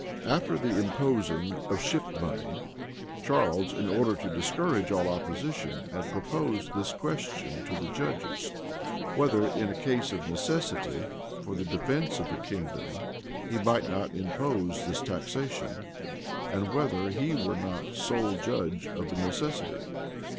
After the imposing of ship money, Charles, in order to discourage all opposition, had proposed this question to the judges: "Whether, in a case of necessity, for the defence of the kingdom, he might not impose this taxation; and whether he were not sole judge of the necessity."